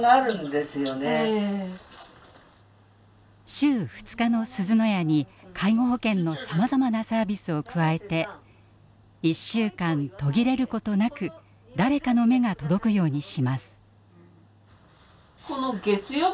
週２日のすずの家に介護保険のさまざまなサービスを加えて１週間途切れることなく誰かの目が届くようにします。